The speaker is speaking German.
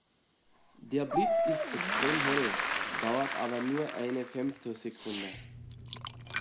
Der Blitz ist extrem hell, dauert aber nur eine Femtosekunde.